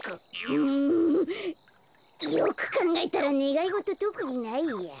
よくかんがえたらねがいごととくにないや。